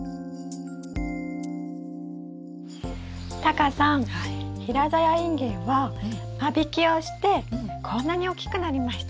タカさん平ざやインゲンは間引きをしてこんなに大きくなりました。